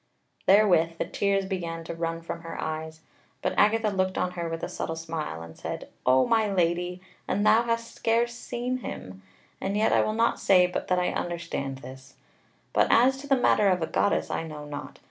Therewith the tears began to run from her eyes; but Agatha looked on her with a subtle smile and said: "O my Lady! and thou hast scarce seen him! And yet I will not say but that I understand this. But as to the matter of a goddess, I know not.